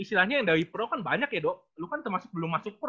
isilahnya yang dari pro kan banyak ya do lu kan masih belum masuk pro